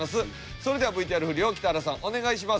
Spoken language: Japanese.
それではＶＴＲ振りを北原さんお願いします。